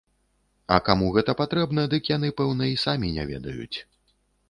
А каму гэта патрэбна, дык яны пэўна й самі не ведаюць.